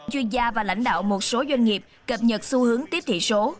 chuyên gia và lãnh đạo một số doanh nghiệp cập nhật xu hướng tiếp thị số